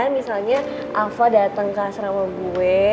misalnya alva dateng ke asrama gue